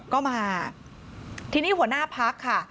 ก็มาทีนี้หัวหน้าพักค่ะ